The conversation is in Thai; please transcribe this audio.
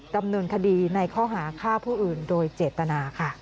ดำเนินคดีในข้อหาฆ่าผู้อื่นโดยเจตนาค่ะ